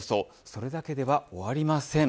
それだけでは終わりません。